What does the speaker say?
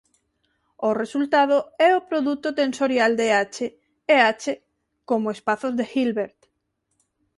O resultado é o produto tensorial de "H" e "H" como espazos de Hilbert.